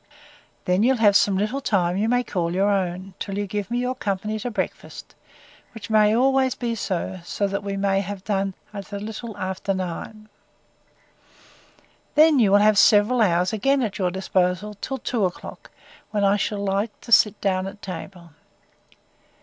Then you'll have some time you may call your own, till you give me your company to breakfast; which may be always so, as that we may have done at a little after nine. Then will you have several hours again at your disposal, till two o'clock, when I shall like to sit down at table.